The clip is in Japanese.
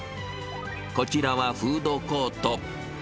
こちらはフードコート。